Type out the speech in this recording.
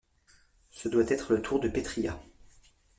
Ce doit être la tour de Petrilla...